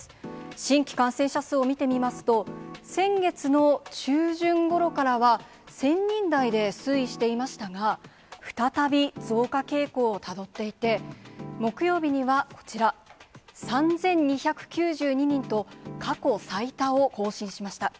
新規感染者数を見てみますと、先月の中旬ごろからは、１０００人台で推移していましたが、再び増加傾向をたどっていて、木曜日にはこちら、３２９２人と、過去最多を更新しました。